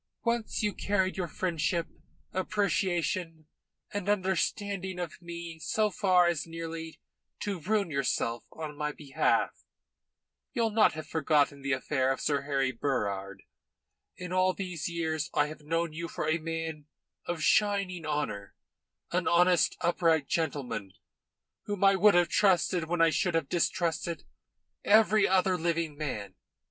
Once you carried your friendship, appreciation, and understanding of me so far as nearly to ruin yourself on my behalf. You'll not have forgotten the affair of Sir Harry Burrard. In all these years I have known you for a man of shining honour, an honest, upright gentleman, whom I would have trusted when I should have distrusted every other living man.